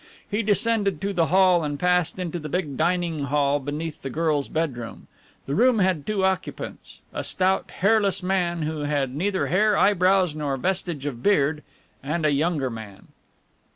He descended to the hall and passed into the big dining hall beneath the girl's bedroom. The room had two occupants, a stout, hairless man who had neither hair, eyebrows, nor vestige of beard, and a younger man.